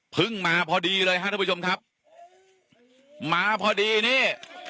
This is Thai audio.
มาพอดีเลยฮะทุกผู้ชมครับมาพอดีนี่